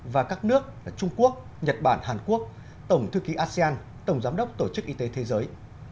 và các nước là trung quốc nhật bản hàn quốc tổng thư ký asean tổng giám đốc tổ chức y tế thế giới